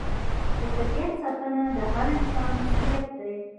د طبیعت ساتنه د هر انسان مسوولیت دی.